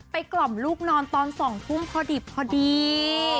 ไปกล่อมลูกนอนตอนสองทุ่มพอดีพอดี